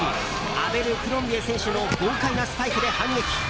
アベルクロンビエ選手の豪快なスパイクで反撃。